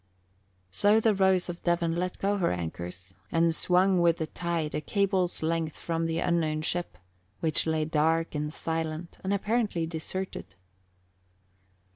So the Rose of Devon let go her anchors and swung with the tide a cable's length from the unknown ship, which lay dark and silent and apparently deserted.